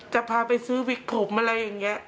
จะพาไปซื้อวิกผมอะไรอย่างนี้